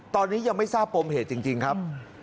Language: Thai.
ตอนนี้ยังไม่ทราบปมเหตุจริงครับ